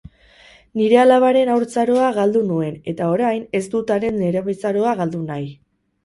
Nire alabaren haurtzaroa galdu nuen eta orain ez dut haren nerabezaroa galdu nahi.